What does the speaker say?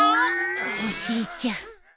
おじいちゃん。